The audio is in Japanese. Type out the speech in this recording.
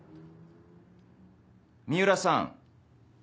三浦さん。